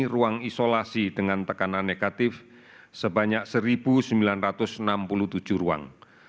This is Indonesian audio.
ruang isolasi dengan tekanan negatif sebanyak satu sembilan ratus enam puluh tujuh ruang